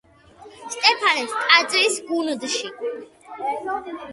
სტეფანეს ტაძრის გუნდში.